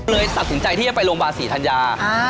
ตัดสินใจที่จะไปโรงพยาบาลศรีธัญญา